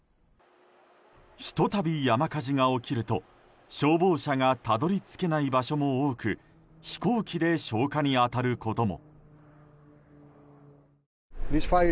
ひと度、山火事が起きると消防車がたどり着けない場所も多く飛行機で消火に当たることも。